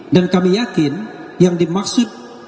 kami yakin yang dimaksud